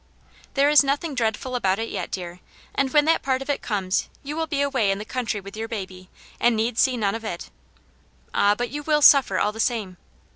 " There is nothing dreadful about it yet, dear, and when that part of it comes you will be away in the country with your baby, and need see none of it." " Ah, but you will suffer, all the same."